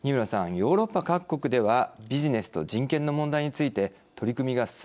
ヨーロッパ各国ではビジネスと人権の問題について取り組みが進んでいるようですね。